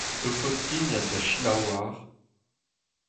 Ur podskignad da selaou war :